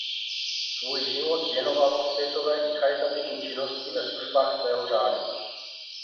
Svůj život věnoval osvětové i charitativní činnosti ve službách svého řádu.